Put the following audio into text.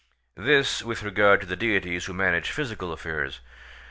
This with regard to the deities who manage physical affairs.